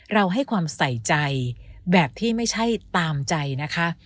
ให้ความใส่ใจแบบที่ไม่ใช่ตามใจนะคะ